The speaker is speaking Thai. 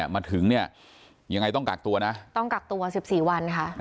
มาถึงอย่างไรต้องกักตัวต้องกักตัว๑๔วัน